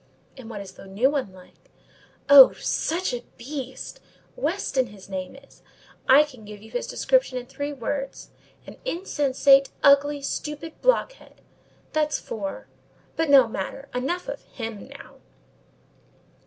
"And what is the new one like?" "Oh, such a beast! Weston his name is. I can give you his description in three words—an insensate, ugly, stupid blockhead. That's four, but no matter—enough of him now."